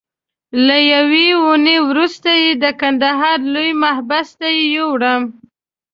له یوې اونۍ وروسته یې د کندهار لوی محبس ته یووړم.